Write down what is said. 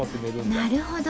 なるほど。